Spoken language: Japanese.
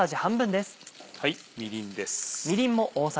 みりんです。